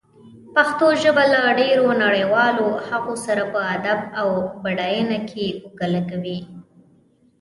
پښتو ژبه له ډېرو نړيوالو هغو سره په ادب او بډاینه کې اوږه لږوي.